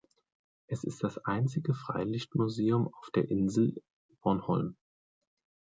Es ist das einzige Freilichtmuseum auf der Insel Bornholm.